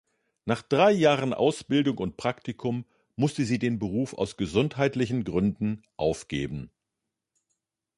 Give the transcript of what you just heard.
Nach drei Jahren Ausbildung und Praktikum musste sie den Beruf aus gesundheitlichen Gründen aufgeben.